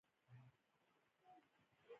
پلار يې په نيمه لاره کې ودرېد.